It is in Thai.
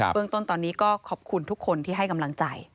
เรื่องต้นตอนนี้ก็ขอบคุณทุกคนที่ให้กำลังใจ